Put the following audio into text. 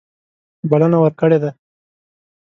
بلنه ورکړې ده.